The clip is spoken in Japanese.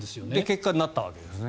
結果なったわけですね。